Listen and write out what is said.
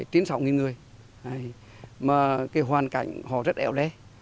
tiến sọng những người mà cái hoàn cảnh họ rất ẹo đé